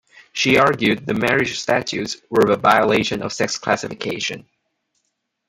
She argued the marriage statutes were a violation of sex classification.